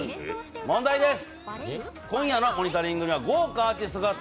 問題です！